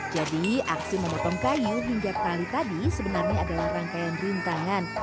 jadi aksi memotong kayu hingga tali tadi sebenarnya adalah rangkaian rintangan